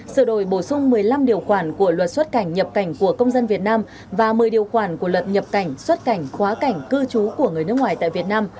sửa đổi bổ sung một mươi năm điều khoản của luật xuất cảnh nhập cảnh của công dân việt nam và một mươi điều khoản của luật nhập cảnh xuất cảnh quá cảnh cư trú của người nước ngoài tại việt nam